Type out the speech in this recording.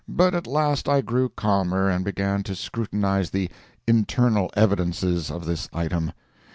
But at last I grew calmer and began to scrutinize the "internal evidences" of this item.